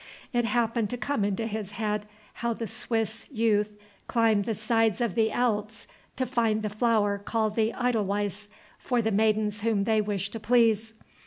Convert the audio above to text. It happened to come into his head how the Swiss youth climb the sides of the Alps to find the flower called the Edelweiss for the maidens whom they wish to please.